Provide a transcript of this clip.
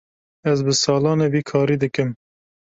Ez bi salan e vî karî dikim.